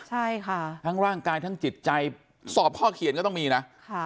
ใช่ค่ะทั้งร่างกายทั้งจิตใจสอบข้อเขียนก็ต้องมีนะค่ะ